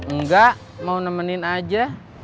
enggak mau nemenin aja